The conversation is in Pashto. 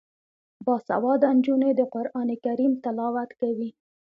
باسواده نجونې د قران کریم تلاوت کوي.